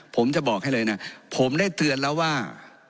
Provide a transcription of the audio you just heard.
ผมจะบอกให้เลยนะผมได้เตือนแล้วว่า